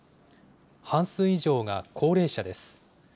半数以上が高齢者です。